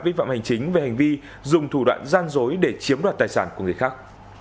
vi phạm hành chính về hành vi dùng thủ đoạn gian dối để chiếm đoạt tài sản của người khác